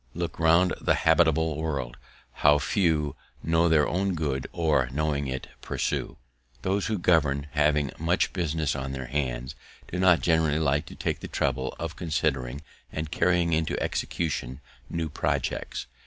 "Look round the habitable world, how few Know their own good, or, knowing it, pursue!" Those who govern, having much business on their hands, do not generally like to take the trouble of considering and carrying into execution new projects.